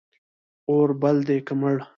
اور بل دی که مړ